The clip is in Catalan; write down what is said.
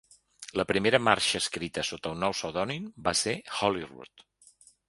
La primera marxa escrita sota el nou pseudònim va ser "Holyrood".